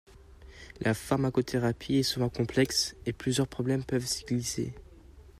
La pharmacothérapie est souvent complexe, et plusieurs problèmes peuvent s'y glisser.